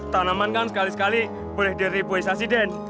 tanaman kan sekali sekali boleh direboisasi den